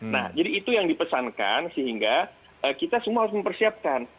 nah jadi itu yang dipesankan sehingga kita semua harus mempersiapkan